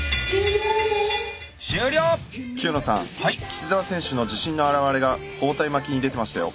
岸澤選手の自信の表れが包帯巻きに出てましたよ。